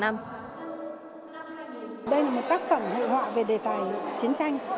đây là một tác phẩm hội họa về đề tài chiến tranh